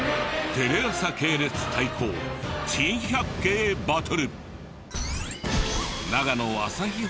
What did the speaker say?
テレ朝系列対抗珍百景バトル。